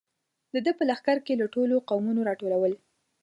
د ده په لښکر کې له ټولو قومونو را ټول.